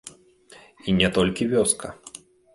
І не толькі вёска.